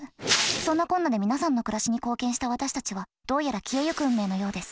そんなこんなで皆さんの暮らしに貢献した私たちはどうやら消えゆく運命のようです。